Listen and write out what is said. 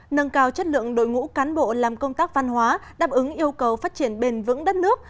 nâng cao chất lượng đội ngũ cán bộ làm công tác văn hóa đáp ứng yêu cầu phát triển bền vững đất nước